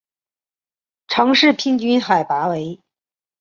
城市平均海拔为。